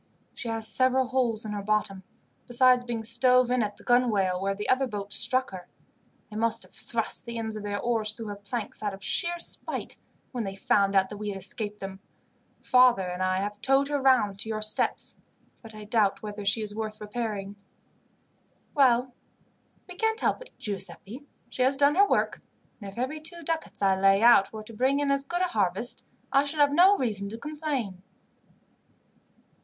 She has several holes in her bottom, besides being stove in at the gunwale where the other boat struck her. They must have thrust the ends of their oars through her planks, out of sheer spite, when they found that we had escaped them. Father and I have towed her round to your steps, but I doubt whether she is worth repairing." "Well, we can't help it, Giuseppi. She has done her work; and if every two ducats I lay out were to bring in as good a harvest, I should have no reason to complain."